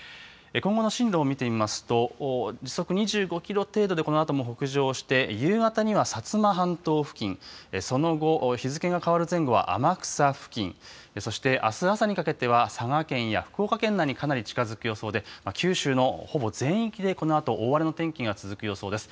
今後の進路を見てみますと、時速２５キロ程度で、このあとも北上して、夕方には薩摩半島付近、その後、日付が変わる前後は、天草付近、そして、あす朝にかけては佐賀県や福岡県内にさらに近づく予想で、九州のほぼ全域でこのあと大荒れの天気が続く予想です。